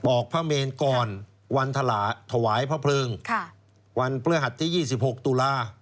ออกพระเมนก่อนวันถวายพระพลึงค่ะวันเปลื้อหัดที่ยี่สิบหกตุลา